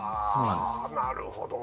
なるほどな。